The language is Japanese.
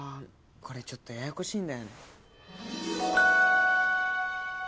これちょっとややこしいんだよね